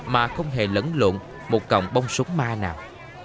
mà không hề lẫn lộn một còng bông súng ma nào